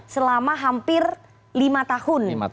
selama hampir lima tahun